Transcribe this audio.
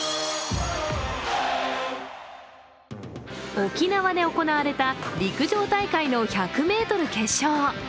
沖縄で行われた陸上大会の１００ｍ決勝。